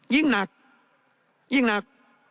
ยิ่งหนัก